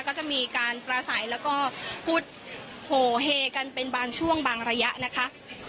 ก็จะมีการประสัยแล้วก็พูดโหเฮกันเป็นบางช่วงบางระยะนะคะ